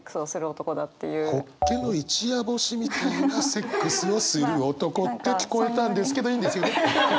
ホッケの一夜干しみたいなセックスをする男って聞こえたんですけどいいんですよね？